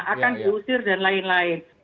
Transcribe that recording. akan gusir dan lain lain